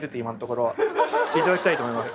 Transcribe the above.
じゃあいただきたいと思います。